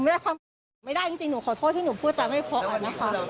ไม่ได้ความไม่ได้จริงหนูขอโทษที่หนูพูดจะไม่พออันนะฮะ